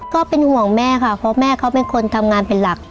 ก็เป็นห่วงแม่ค่ะเพราะแม่เขาเป็นคนทำงานเป็นหลัก